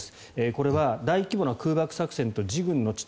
これは大規模な空爆作戦と自軍の地